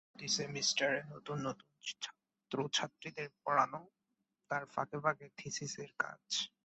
প্রতি সেমিস্টারে নতুন নতুন ছাত্রছাত্রীদের পড়ানো, তার ফাঁকে ফাঁকে থিসিসের কাজ।